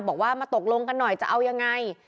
บอกว่ามาตกลงกันหน่อยจะเอายังไง